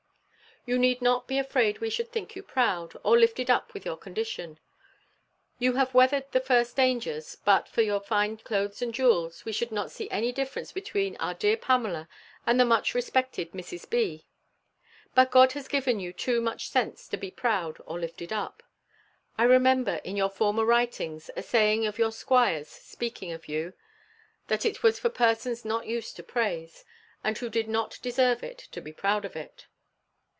You need not be afraid we should think you proud, or lifted up with your condition. You have weathered the first dangers, and but for your fine clothes and jewels, we should not see any difference between our dear Pamela and the much respected Mrs. B. But God has given you too much sense to be proud or lifted up. I remember, in your former writings, a saying of your 'squire's, speaking of you, that it was for persons not used to praise, and who did not deserve it, to be proud of it.